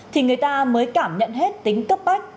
thì người ta mới cảm nhận hết tính cấp bách